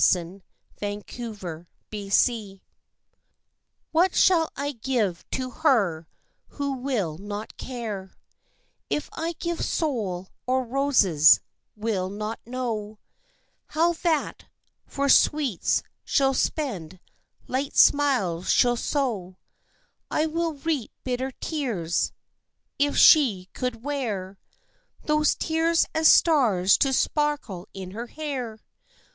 XXVII The Last Gift What shall I give to her who will not care If I give soul or roses, will not know How that, for sweets she'll spend, light smiles she'll sow, I will reap bitter tears? If she could wear Those tears as stars to sparkle in her hair!